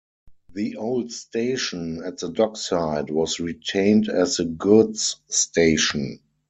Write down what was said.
The old station at the dockside was retained as the goods station.